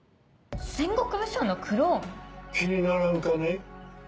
戦国武将のクローン⁉気にならんかね？